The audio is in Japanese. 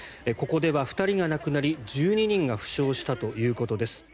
ここでは２人が亡くなり１２人が負傷したということです。